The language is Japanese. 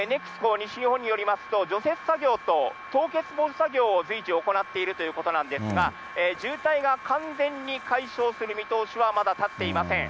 西日本によりますと、除雪作業と凍結防止作業を随時、行っているということなんですが、渋滞が完全に解消する見通しはまだ立っていません。